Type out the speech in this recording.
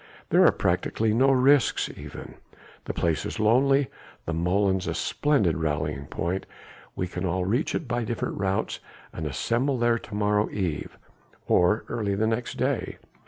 There are practically no risks even. The place is lonely, the molens a splendid rallying point. We can all reach it by different routes and assemble there to morrow eve or early the next day.